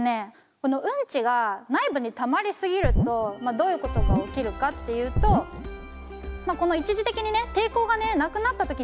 このうんちが内部にたまりすぎるとどういうことが起きるかっていうとこの一時的にね抵抗がなくなった時にやばいわけですよ。